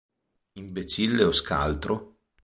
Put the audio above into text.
Imbecille o scaltro?